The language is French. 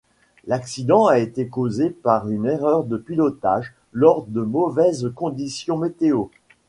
L’accident a été causé par une erreur de pilotage lors de mauvaises conditions météo.